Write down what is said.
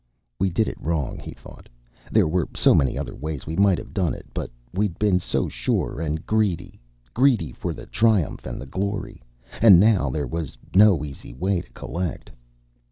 We did it wrong, he thought. There were so many other ways we might have done it, but we'd been so sure and greedy greedy for the triumph and the glory and now there was no easy way to collect.